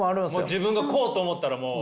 自分がこうと思ったらもう。